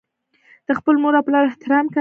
د خپل مور او پلار احترام کوي.